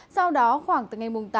sau đó khoảng từ ngày tám